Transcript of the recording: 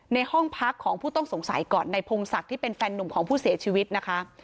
ในห้องพักของผู้ต้องสงสัยก่อนในพงศักดิ์ที่เป็นแฟนหนุ่มของผู้เสียชีวิตนะคะ